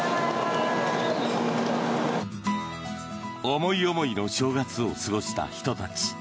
思い思いの正月を過ごした人たち。